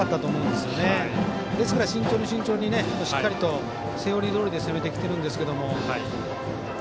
ですから、慎重に慎重にしっかりとセオリーどおりに攻めてきてるんですが。